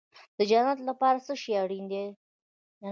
د جنت لپاره څه شی اړین دی؟